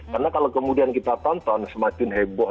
karena kalau kemudian kita tonton semakin heboh